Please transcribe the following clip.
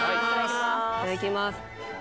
・いただきます